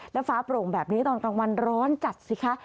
แล้วฟ้าโปร่งแบบนี้ตอนกลางวันร้อนจัดสิคะ